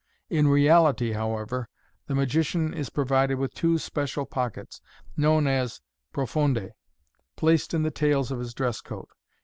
In reality, however, the magician is provided with two special pockets, known as profondes, placed in the tails of his dress coat.